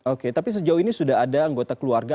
oke tapi sejauh ini sudah ada anggota keluarga